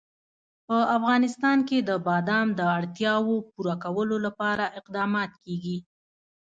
په افغانستان کې د بادام د اړتیاوو پوره کولو لپاره اقدامات کېږي.